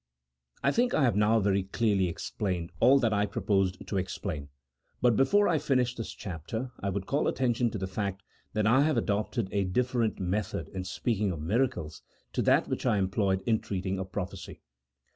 I think I have now very clearly explained all that I pro posed to explain, but before I finish this chapter I would call attention to the fact that I have adopted a different method in speaking of miracles to that which I employed in treating of prophecy.